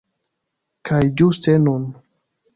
Kaj ĝuste nun!